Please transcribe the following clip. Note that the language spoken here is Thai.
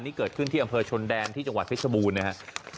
นี่เกิดขึ้นที่อำเภอชนแดนที่จังหวัดเพชรบูรณ์นะครับ